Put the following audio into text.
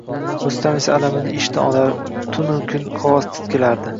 Rustam esa alamini ishdan olar, tunu kun qog`oz titkilardi